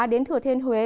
đến thừa thiên huế